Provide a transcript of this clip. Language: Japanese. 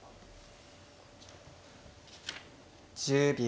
１０秒。